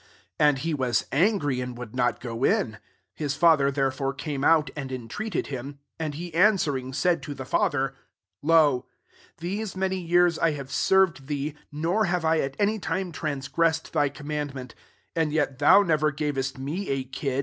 28 ^ And he was angry, wonld not go in: his fathesi therefore came out, and treated him. 29 And he answarA ing, said to the father, *Lo, thesiii many years I have served tb«% nor have I at any time gressed thy commandment: yet thou never gavestme th.'